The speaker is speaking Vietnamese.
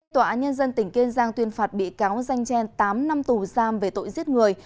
tòa án nhân dân tỉnh kiên giang tuyên phạt bị cáo danh trang tám năm tù giam về tội giết người